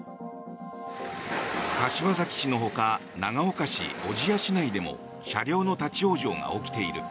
柏崎市のほか長岡市、小千谷市内でも車両の立ち往生が起きている。